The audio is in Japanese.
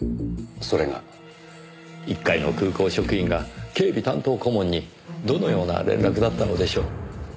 それが？一介の空港職員が警備担当顧問にどのような連絡だったのでしょう？